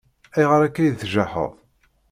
Ayɣer akka i tjaḥeḍ?